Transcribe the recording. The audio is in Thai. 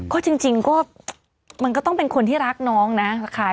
ก็จริงก็มันก็ต้องเป็นคนที่รักน้องนะ